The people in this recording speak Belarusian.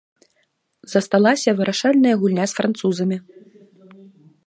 Засталася вырашальная гульня з французамі.